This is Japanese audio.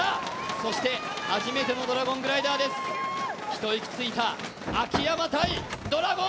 そして初めてのドラゴングライダーです、一息ついた秋山対ドラゴン。